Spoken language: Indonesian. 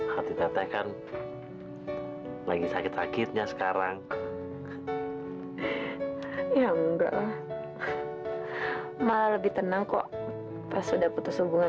hati tete kan lagi sakit sakitnya sekarang ya enggak malah lebih tenang kok pas sudah putus hubungan